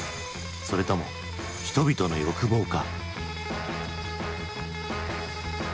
それとも人々の欲望か。